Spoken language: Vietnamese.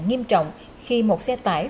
nghiêm trọng khi một xe tải